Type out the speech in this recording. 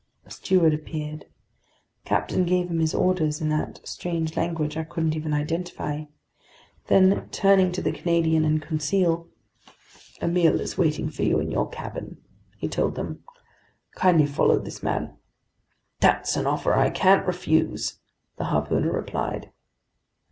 A steward appeared. The captain gave him his orders in that strange language I couldn't even identify. Then, turning to the Canadian and Conseil: "A meal is waiting for you in your cabin," he told them. "Kindly follow this man." "That's an offer I can't refuse!" the harpooner replied.